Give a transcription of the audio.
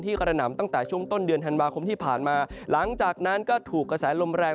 กระหน่ำตั้งแต่ช่วงต้นเดือนธันวาคมที่ผ่านมาหลังจากนั้นก็ถูกกระแสลมแรง